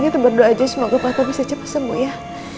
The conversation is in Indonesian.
kita berdua aja semoga kumpul kita bisa cepat sembuh ya